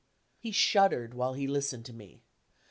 He shuddered while he listened to me.